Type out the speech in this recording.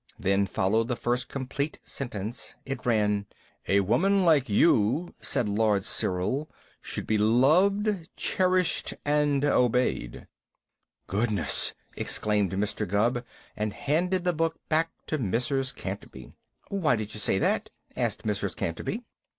Then followed the first complete sentence. It ran: "'A woman like you,' said Lord Cyril, 'should be loved, cherished, and obeyed.'" "Goodness!" exclaimed Mr. Gubb, and handed the book back to Mrs. Canterby. "Why did you say that?" asked Mrs. Canterby.